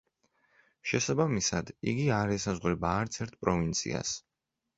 შესაბამისად, იგი არ ესაზღვრება არც ერთ პროვინციას.